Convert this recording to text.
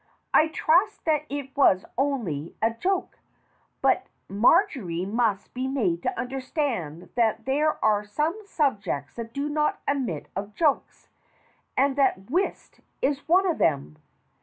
I trust that it was only a joke; but Marjory must be made to understand that there are some subjects that do not admit of jokes, and that whist is one of them."